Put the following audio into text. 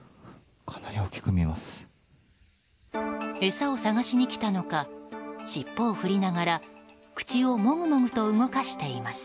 餌を探しに来たのか尻尾を振りながら口を、もぐもぐと動かしています。